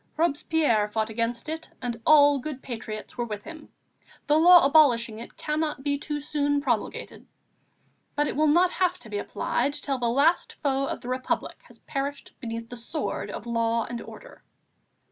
Robespierre fought against it, and all good patriots were with him; the law abolishing it cannot be too soon promulgated. But it will not have to be applied till the last foe of the Republic has perished beneath the sword of law and order."